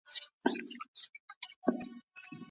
استادان د ټولني معماران دي.